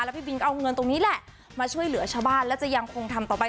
พี่บินเอาเงินตรงนี้แหละมาช่วยเหลือชาวบ้านแล้วจะยังคงทำต่อไป